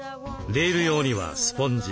レール用にはスポンジ。